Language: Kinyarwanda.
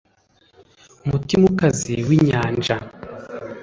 Umutima ukaze winyanja